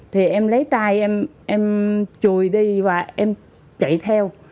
thì em lấy tay em chùi đi và em chạy theo